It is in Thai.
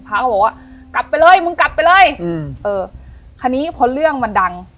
เขาบอกว่ากลับไปเลยมึงกลับไปเลยอืมเออคราวนี้พอเรื่องมันดัง